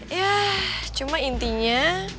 yah cuma intinya